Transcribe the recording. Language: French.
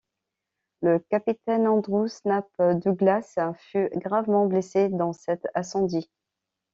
Le capitaine Andrew Snape Douglas fut gravement blessé dans cet incendie.